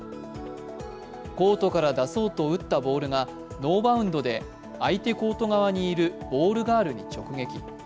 コートから出そうと打ったボールがノーバウンドで相手コート側にいるボールガールに直撃。